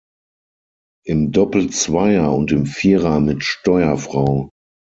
Im Doppelzweier und im Vierer mit Steuerfrau.